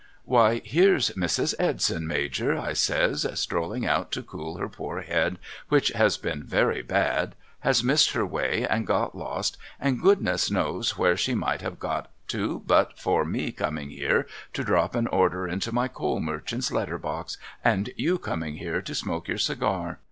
'Why here's Mrs. Edson Major' I says, 'strolling out to cool her poor head which has been very bad, has missed her way and got lost, and Goodness knows where she might have got to but for me coming here to drop an order into my coal merchant's letter box and you coming here to smoke your cigar